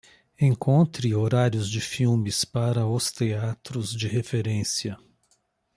Encontre horários de filmes para os teatros de referência.